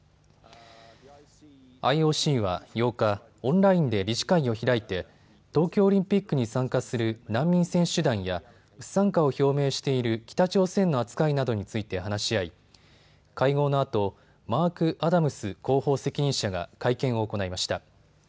ＩＯＣは８日、オンラインで理事会を開いて東京オリンピックに参加する難民選手団や不参加を表明している北朝鮮の扱いなどについて話し合い会合のあとマーク・アダムス広報責任者が会見を行いました。